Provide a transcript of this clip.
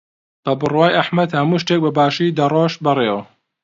بە بڕوای ئەحمەد هەموو شتێک بەباشی دەڕۆشت بەڕێوە.